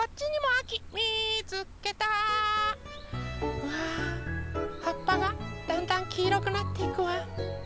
うわはっぱがだんだんきいろくなっていくわ。